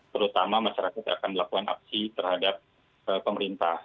terutama masyarakat yang akan melakukan aksi terhadap pemerintah